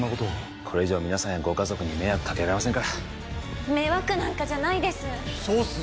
これ以上皆さんやご家族に迷惑かけられませんから迷惑なんかじゃないですそうっすよ